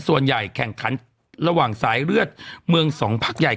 แข่งขันระหว่างสายเลือดเมืองสองพักใหญ่